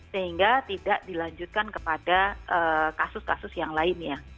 sehingga tidak dilanjutkan kepada kasus kasus yang lainnya